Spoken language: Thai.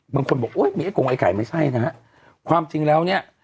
บางคนบอกโอ้ยมีไอกงไอไข่ไม่ใช่นะฮะความจริงแล้วเนี่ย